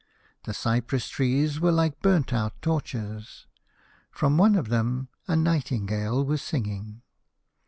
The cypress trees were like burnt out torches. From one of them a nightingale o o was singing.